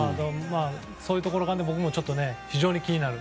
そういうところ、僕も気になる。